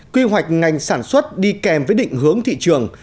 quy hoạch ngành sản xuất đi kèm với định hướng thị trường